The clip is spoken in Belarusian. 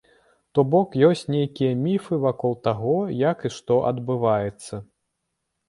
То бок ёсць нейкія міфы вакол таго, як і што адбываецца.